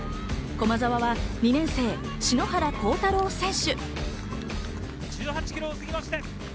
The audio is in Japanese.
駒澤は２年生・篠原倖太朗選手。